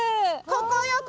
ここよ！